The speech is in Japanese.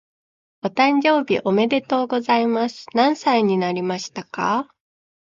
お誕生日おめでとうございます。何歳になりましたか？